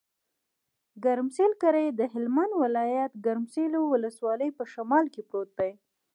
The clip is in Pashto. د ګرمسر کلی د هلمند ولایت، ګرمسر ولسوالي په شمال کې پروت دی.